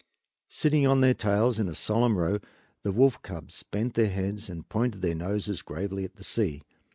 Sitting on their tails in a solemn row the wolf cubs bent their heads and pointed their noses gravely at the sea.